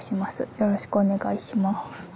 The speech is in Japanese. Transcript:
よろしくお願いします。